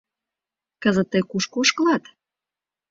Кызыт тый кушко ошкылат?